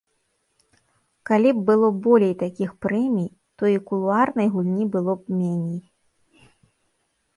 Калі б было болей такіх прэмій, то і кулуарнай гульні было б меней.